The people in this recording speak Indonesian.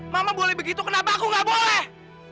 mama boleh begitu kenapa aku nggak boleh